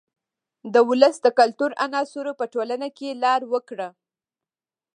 د ولس د کلتور عناصرو په ټولنه کې لار وکړه.